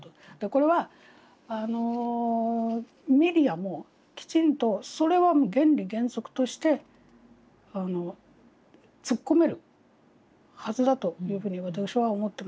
これはメディアもきちんとそれはもう原理原則として突っ込めるはずだというふうに私は思ってます。